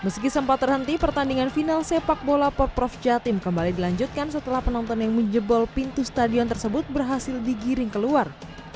meski sempat terhenti pertandingan final sepak bola pop prof jatim kembali dilanjutkan setelah penonton yang menjebol pintu stadion tersebut berhasil digiring keluar